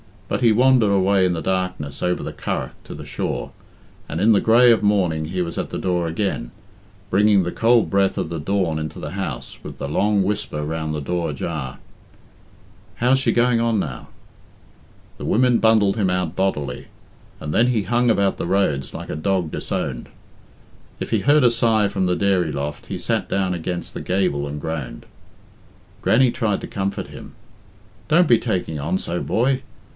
But he wandered away in the darkness over the Curragh to the shore, and in the grey of morning he was at the door again, bringing the cold breath of the dawn into the house with the long whisper round the door ajar. "How's she going on now?" The women bundled him out bodily, and then he hung about the roads like a dog disowned. If he heard a sigh from the dairy loft, he sat down against the gable and groaned. Grannie tried to comfort him. "Don't be taking on so, boy.